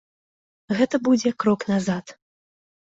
Гэта будзе крок назад.